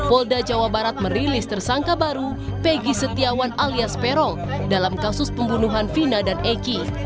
polda jabar merilis tersangka baru pegi setiawan alias perong dalam kasus pembunuhan fina dan eki